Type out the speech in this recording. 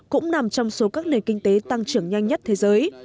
cũng nằm trong số các nền kinh tế tăng trưởng nhanh nhất thế giới